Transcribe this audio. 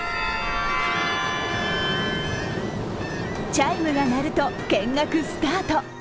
チャイムが鳴ると見学スタート。